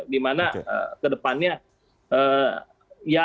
dimana ke depannya